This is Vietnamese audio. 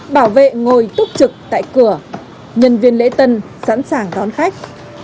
bảo vệ ngồi túc trực tại cửa nhân viên lễ tân sẵn sàng đón khách